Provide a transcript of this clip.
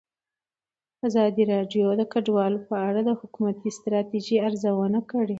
ازادي راډیو د کډوال په اړه د حکومتي ستراتیژۍ ارزونه کړې.